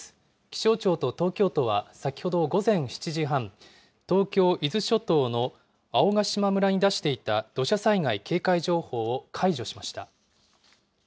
気象庁と東京都は先ほど午前７時半、東京・伊豆諸島の青ヶ島村に出していた土砂災害警戒情報を解除しました。